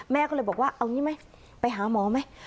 แม่ก็เลยบอกว่าเอางี้ไหมไปหาหมอไหม